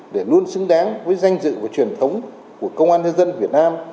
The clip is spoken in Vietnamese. để luôn xứng đáng với danh dự và truyền thống của công an nhân dân việt nam